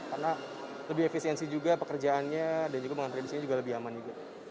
karena lebih efisiensi juga pekerjaannya dan juga pengantre di sini juga lebih aman juga